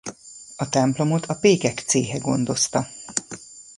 A templomot a pékek céhe gondozta.